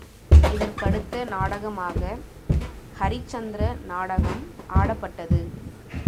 இதற்கடுத்த நாடகமாக ஹரிச்சந்திர நாடகம் ஆடப்பட்டது.